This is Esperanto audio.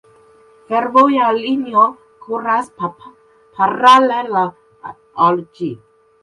Fervoja linio kuras paralela al ĝi.